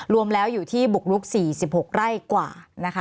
รวมแล้วอยู่ที่บุกลุก๔๖ไร่กว่านะคะ